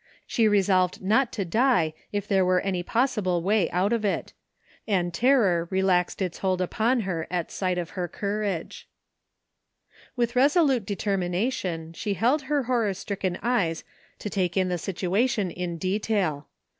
She resolved not to die if there were any possible way out of it; and terror relaxed its hold upon her at sight of her courage. 29 THE FINDING OF JASPER HOLT With resolute determinaticMti she held her horror stricken eyes to take in the situation in detail.